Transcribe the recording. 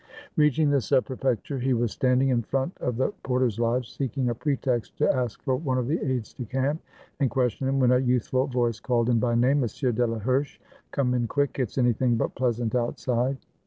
Reaching the Sub Prefecture, he was standing in front of the porter's lodge, seeking a pretext to ask for one of the aides de camp and question him, when a youthful voice called him by name: " Monsieur Delaherche! come in quick; it's anything but pleasant outside."